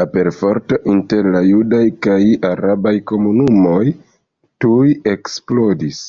La perforto inter la judaj kaj arabaj komunumoj tuj eksplodis.